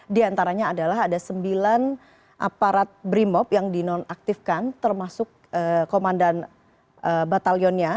di antaranya adalah ada sembilan aparat brimop yang dinonaktifkan termasuk komandan batalionnya